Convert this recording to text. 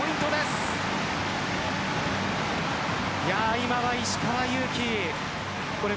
今は石川祐希